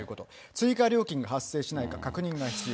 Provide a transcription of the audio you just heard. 追加料金が発生しないか確認が必要。